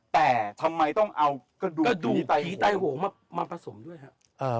แต่ทำไมต้องเอากระดูกผีไตโหงมาผสมด้วยครับ